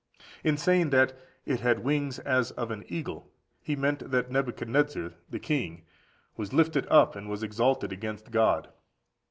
In saying that "it had wings as of an eagle," he meant that Nebuchadnezzar the king was lifted up and was exalted against God.